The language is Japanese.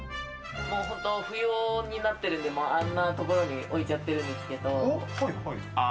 本当、不要になってるんで、あんなところに置いちゃってるんですけど。